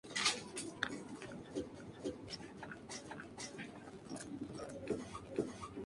Richard Nixon, quien presidió el funeral de Johnson, no tuvo un funeral de Estado.